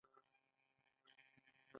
آیا اوبه په راتلونکي کې لویه شتمني نه ده؟